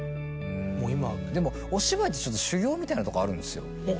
うんでもお芝居ってちょっと修業みたいなとこあるんですよ。